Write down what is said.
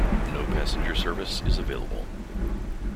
No passenger service is available.